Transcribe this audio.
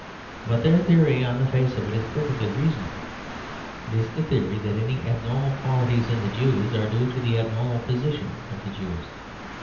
But their theory, on the face of it, is perfectly reasonable. It is the theory that any abnormal qualities in the Jews are due to the abnormal position of the Jews.